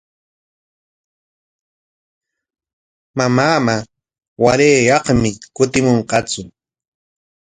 Mamaama warayyaqmi kutimunqatsu.